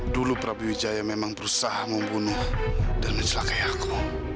dulu prabi wijaya memang berusaha membunuh dan mencelakai aku